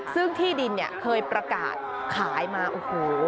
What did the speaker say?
ซึ่งที่ดินเนี่ยเคยประกาศขายมาโอ้โห